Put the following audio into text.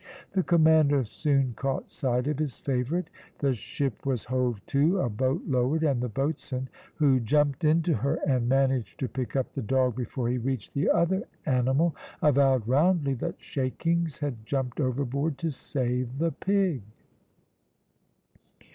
The commander soon caught sight of his favourite. The ship was hove to, a boat lowered, and the boatswain, who jumped into her and managed to pick up the dog before he reached the other animal, avowed roundly that Shakings had jumped overboard to save the pig."